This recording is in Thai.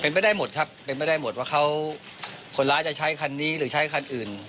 เป็นไปได้หมดครับเป็นไปได้หมดว่าเขาคนร้ายจะใช้คันนี้หรือใช้คันอื่น